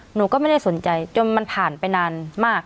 หนูก็ไม่ได้สนใจจนมันผ่านไปนานมาก